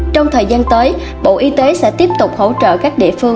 trong thời gian tới bộ y tế sẽ tiếp tục hỗ trợ các địa phương